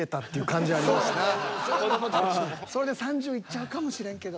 それで３０いっちゃうかもしれんけど。